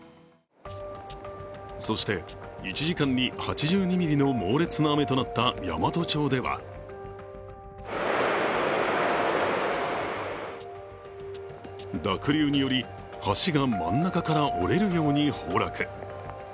そして、１時間に８２ミリの猛烈な雨となった山都町では濁流により、橋が真ん中から折れるように崩落。